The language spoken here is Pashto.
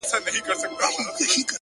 نوره گډا مه كوه مړ به مي كړې،